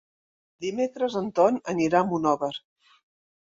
Dimecres en Ton anirà a Monòver.